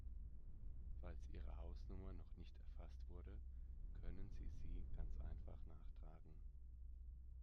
Falls Ihre Hausnummer noch nicht erfasst wurde, können Sie sie ganz einfach nachtragen.